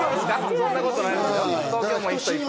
そんなことないですよ。